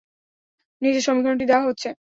নিচে সমীকরণটি দেয়া হচ্ছে।